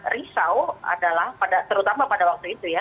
risau adalah terutama pada waktu itu ya